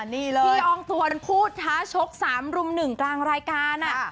นี่เลยพี่อองตวนพูดท้าชก๓รุ่มหนึ่งกลางรายการ